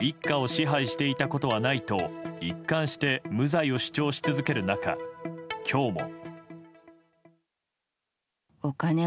一家を支配していたことはないと一貫して無罪を主張し続ける中今日も。